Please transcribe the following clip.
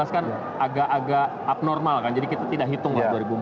dua ribu empat belas kan agak agak abnormal jadi kita tidak hitung waktu dua ribu empat belas